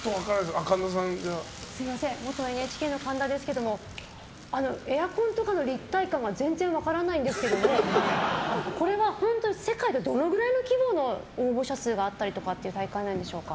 元ＮＨＫの神田ですがエアコンとかの立体感が全然分からないんですけどもこれは世界のどのくらいの規模の応募者数があったりとかっていう大会なんでしょうか？